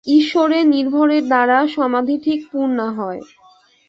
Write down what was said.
ঈশ্বরে নির্ভরের দ্বারা সমাধি ঠিক পূর্ণা হয়।